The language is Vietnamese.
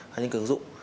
hay những cái ứng dụng